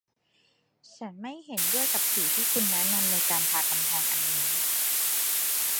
ฉันไม่เห็นด้วยกับสีที่คุณแนะนำให้ทากำแพงอันนี้